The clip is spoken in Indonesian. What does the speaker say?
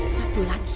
satu lagi ya